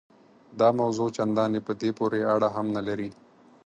دا موضوع چنداني په دې پورې اړه هم نه لري.